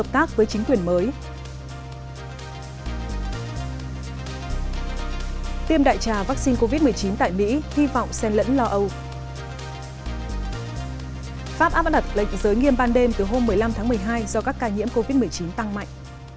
pháp áp đặt lệnh giới nghiêm ban đêm từ hôm một mươi năm tháng một mươi hai do các ca nhiễm covid một mươi chín tăng mạnh